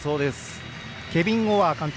ケビン・オアー監督。